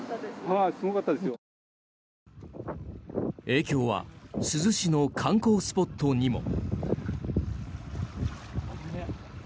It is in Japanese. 影響は珠洲市の観光スポットにも。